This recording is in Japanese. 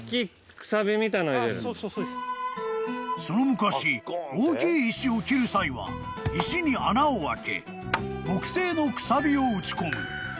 ［その昔大きい石を切る際は石に穴を開け木製のくさびを打ち込む］